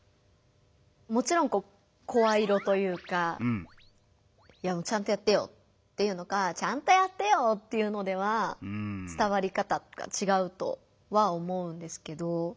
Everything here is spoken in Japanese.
もちろん声色というか「いやちゃんとやってよ」って言うのか「ちゃんとやってよ」って言うのでは伝わり方とかちがうとは思うんですけど。